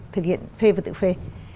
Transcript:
thực hiện phê và tự phê